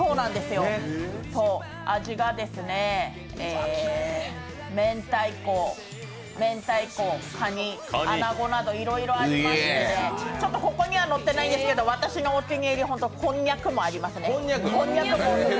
味が明太子、かに、穴子などいろいろありまして、ちょっとここには載っていないんですけど、私のお気に入り本当こんにゃくもありますね。